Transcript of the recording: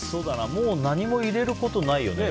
もう何も入れることないよね。